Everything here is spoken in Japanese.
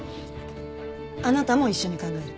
あなたも一緒に考える。